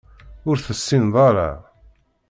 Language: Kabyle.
Ur tessineḍ ara.